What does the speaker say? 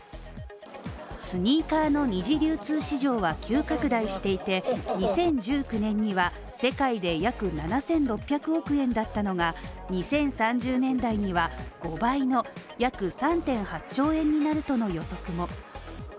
スニーカーの二次流通市場は急拡大していて、２０１９年には世界で約７６００億円だったのが２０３０年代には５倍の約３．８兆円になるとの予測も。